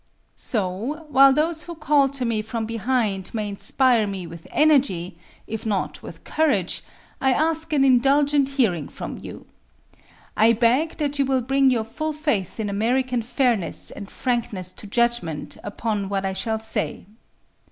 So, while those who call to me from behind may inspire me with energy, if not with courage, I ask an indulgent hearing from you. I beg that you will bring your full faith in American fairness and frankness to judgment upon what I shall say.